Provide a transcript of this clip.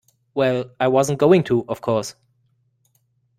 Well, I wasn't going to, of course.